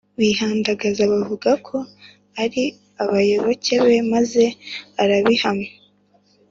bihandagaza bavuga ko ari abayoboke be maze arabihakana